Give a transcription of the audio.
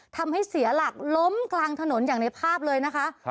ทำให้เสียหลักล้มกลางถนนอย่างในภาพเลยนะคะ